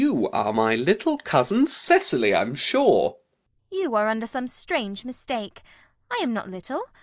You are under some strange mistake. I am not little.